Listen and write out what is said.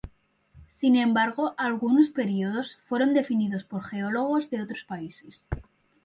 Sin embargo, algunos períodos fueron definidos por geólogos de otros países.